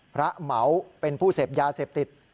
เหมาเป็นผู้เสพยาเสพติด